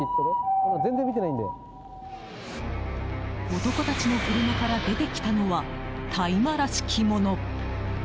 男たちの車から出てきたのは大麻らしきもの。